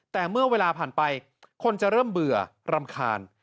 แต่เมื่อเวลาผ่านไปคนจะเริ่มเบื่อรำคาญ